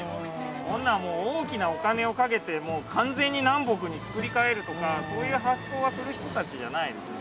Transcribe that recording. こんなん大きなお金をかけて完全に南北につくり替えるとかそういう発想はする人たちじゃないですね。